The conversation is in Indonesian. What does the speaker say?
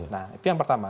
nah itu yang pertama